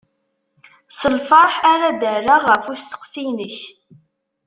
S lferḥ ara d-rreɣ ɣef usteqsi-inek.